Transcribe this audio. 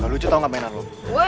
lucu tau gak mainan lo